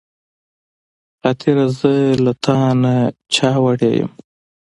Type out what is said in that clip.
خاطره زه له تا نه چا وړې يم